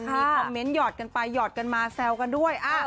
มีคอมเมนต์หยอดกันไปหยอดกันมาแซวกันด้วย